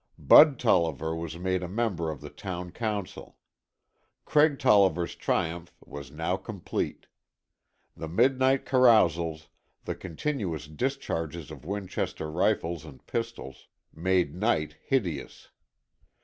Bud Tolliver was made a member of the town council. Craig Tolliver's triumph was now complete. The midnight carousals, the continuous discharges of Winchester rifles and pistols, made night hideous.